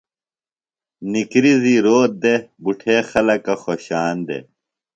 نکریزی روت دےۡ۔ بُٹھےخلکہ خوۡشان دےۡ۔